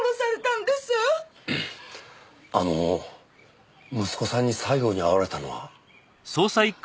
あの息子さんに最後に会われたのは？